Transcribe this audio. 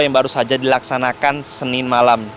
yang baru saja dilaksanakan senin malam